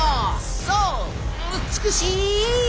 そう美しい！